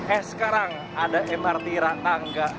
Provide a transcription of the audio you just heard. eh sekarang ada mrt tangga